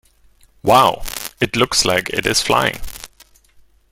Wow! It looks like it is flying!